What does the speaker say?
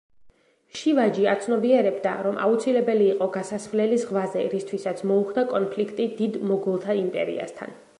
შივაჯი აცნობიერებდა, რომ აუცილებელი იყო გასასვლელი ზღვაზე, რისთვისაც მოუხდა კონფლიქტი დიდ მოგოლთა იმპერიასთან.